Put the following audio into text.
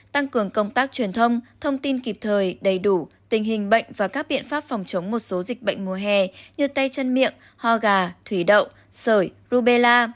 tăng cường công tác truyền thông thông tin kịp thời đầy đủ tình hình bệnh và các biện pháp phòng chống một số dịch bệnh mùa hè như tay chân miệng ho gà thủy đậu sởi rubella